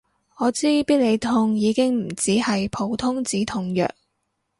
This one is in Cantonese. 我知必理痛已經唔止係普通止痛藥